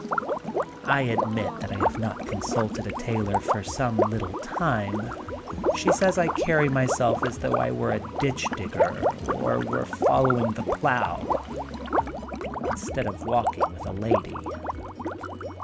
I admit that I have not consulted a tailor for some little time. She* says I carry myself as though I were a ditch digger or were fol lowing the plough, instead of walking with a lady.